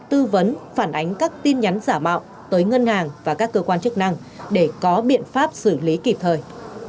tư vấn phản ánh các tin nhắn giả mạo tới ngân hàng và các cơ quan chức năng để có biện pháp xử lý kịp thời